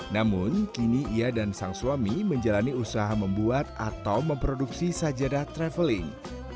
namun kini ia dan sang suami menjalani usaha membuat atau memproduksi sajadah traveling